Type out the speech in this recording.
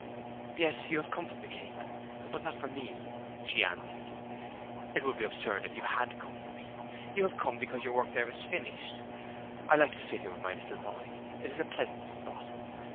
'Yes; you have come from the Cape; but not for me,' she answered. 'It would be absurd if you had come for me. You have come because your work there is finished. ... I like to sit here with my little boy it is a pleasant spot.